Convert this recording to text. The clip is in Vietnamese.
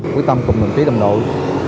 quyết tâm cùng đồng chí đồng đội